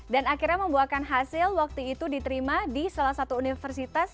dan akhirnya membuahkan hasil waktu itu diterima di salah satu universitas